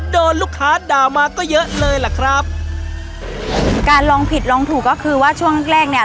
โดนลูกค้าด่ามาก็เยอะเลยล่ะครับการลองผิดลองถูกก็คือว่าช่วงแรกแรกเนี้ย